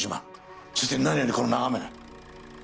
そして何よりこの眺めだ。